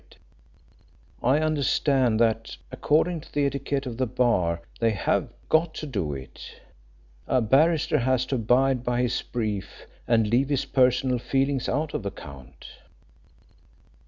In fact, I understand that, according to the etiquette of the bar, they have got to do it. A barrister has to abide by his brief and leave his personal feelings out of account."